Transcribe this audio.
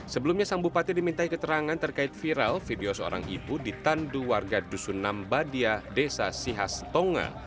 sebelumnya sang bupati diminta keterangan terkait viral video seorang ibu ditandu warga dusunambadia desa sihastonga